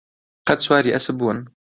قەت سواری ئەسپ بوون؟